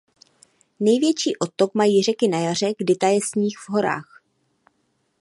Největší odtok mají řeky na jaře kdy taje sníh v horách.